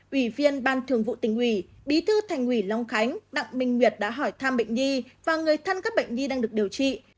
ủy viên ban thường vụ tỉnh ủy bí thư thành ủy long khánh đặng minh nguyệt đã hỏi thăm bệnh nhi và người thân các bệnh nhi đang được điều trị